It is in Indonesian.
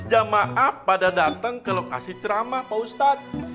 jamaah pada datang ke lokasi ceramah pak ustadz